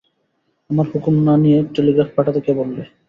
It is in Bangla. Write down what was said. আমার হুকুম না নিয়ে টেলিগ্রাম পাঠাতে কে বললে?